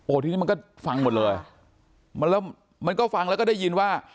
ทีนี้มันก็ฟังหมดเลยมันแล้วมันก็ฟังแล้วก็ได้ยินว่า